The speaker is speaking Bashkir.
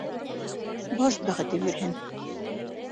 Баш бәхете бирһен.